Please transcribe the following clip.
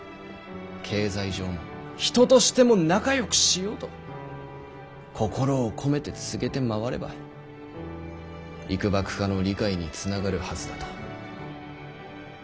経済上も人としても仲よくしよう」と心を込めて告げて回ればいくばくかの理解につながるはずだと。